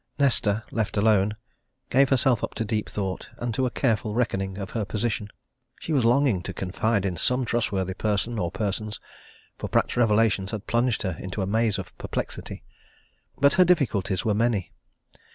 Nesta, left alone, gave herself up to deep thought, and to a careful reckoning of her position. She was longing to confide in some trustworthy person or persons, for Pratt's revelations had plunged her into a maze of perplexity. But her difficulties were many.